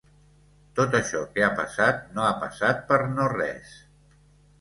Tot això que ha passat no ha passat per no res.